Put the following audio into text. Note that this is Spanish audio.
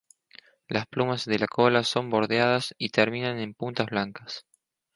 Las plumas de la cola son bordeadas y terminan en puntas blancas.